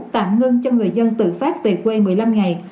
tạm ngưng cho người dân tự phát về quê một mươi năm ngày